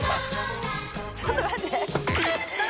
ちょっと待って。